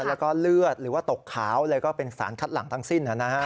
แล้วก็เลือดหรือว่าตกขาวเลยก็เป็นสารคัดหลังทั้งสิ้น